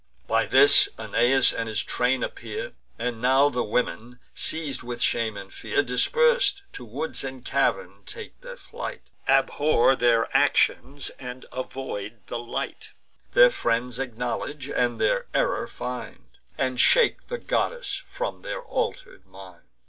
By this, Aeneas and his train appear; And now the women, seiz'd with shame and fear, Dispers'd, to woods and caverns take their flight, Abhor their actions, and avoid the light; Their friends acknowledge, and their error find, And shake the goddess from their alter'd mind.